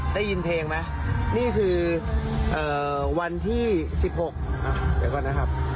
ได้ยินเพลงไหมนี่คือวันที่๑๖เดี๋ยวก่อนนะครับ